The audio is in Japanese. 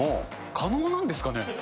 可能なんですかね？